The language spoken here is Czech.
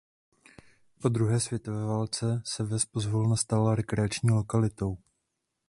Po druhé světové válce se ves pozvolna stala rekreační lokalitou.